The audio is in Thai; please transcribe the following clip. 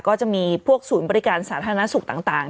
ก็จะมีพวกศูนย์บริการสาธารณสุขต่าง